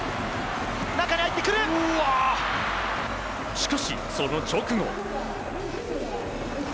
しかし、その直後。